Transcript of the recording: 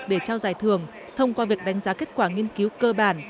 để trao giải thưởng thông qua việc đánh giá kết quả nghiên cứu cơ bản